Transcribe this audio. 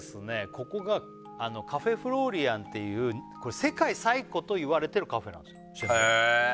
ここがカフェ・フローリアンていう世界最古といわれてるカフェなんですへえ